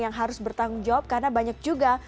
yang harus bertanggung jawab karena banyak juga